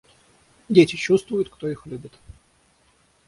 Дети чувствуют, кто их любит.